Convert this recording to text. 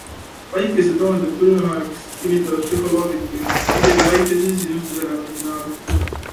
Päikese toon teeb tuju heaks kinnitavad psühholoogidki, isegi väikse sisustuselemendi näol.